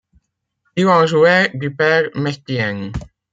Il en jouait, du père Mestienne.